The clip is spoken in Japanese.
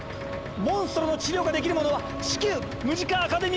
モンストロの治療ができる者は至急ムジカ・アカデミーへ！